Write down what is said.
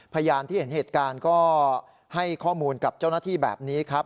พยานที่เห็นเหตุการณ์ก็ให้ข้อมูลกับเจ้าหน้าที่แบบนี้ครับ